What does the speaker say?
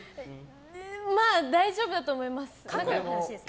まあ、大丈夫だと思います。